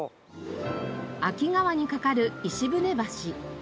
秋川に架かる石舟橋。